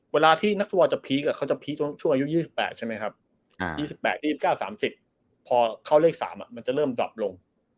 เวลาที่นักฟุตบอลจะพีคเขาจะพีคช่วงอายุ๒๘ใช่ไหมครับ๒๘๒๙๓๐พอเข้าเลข๓มันจะเริ่มดับลง